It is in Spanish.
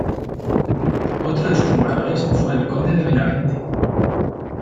Otro de sus moradores fue el conde de Benavente.